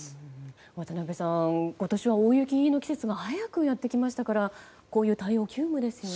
渡辺さん、今年は大雪の季節が早くやってきましたからこういう対応、急務ですよね。